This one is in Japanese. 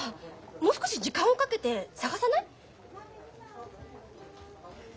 もう少し時間をかけて探さない？